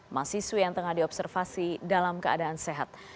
mahasiswi yang tengah diobservasi dalam keadaan sehat